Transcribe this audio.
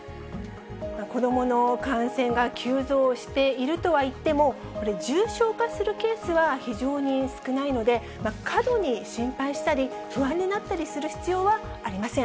子どもの感染が急増しているとはいっても、これ、重症化するケースは非常に少ないので、過度に心配したり、不安になったりする必要はありません。